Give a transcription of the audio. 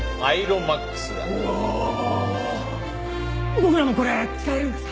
僕らもこれ使えるんですか？